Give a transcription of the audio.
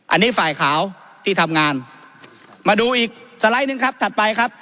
อันนี้ฝ่ายขาวที่ทำงานมาดูอีกสไลด์หนึ่งครับถัดไปครับ